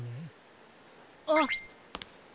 あっ！